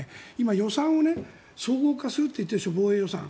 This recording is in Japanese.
予算を相互化するといっているでしょ、防衛予算。